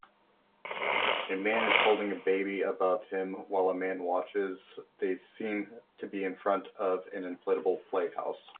A man is holding a baby above him while a man watches they seem to be in front of an inflatable playhouse